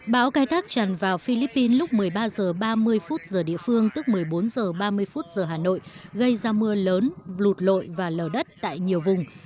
bão cai tắc tràn vào philippines lúc một mươi ba h ba mươi phút giờ địa phương tức một mươi bốn h ba mươi phút giờ hà nội gây ra mưa lớn lụt lội và lờ đất tại nhiều vùng